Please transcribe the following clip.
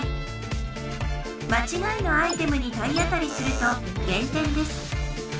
まちがいのアイテムに体当たりすると減点です。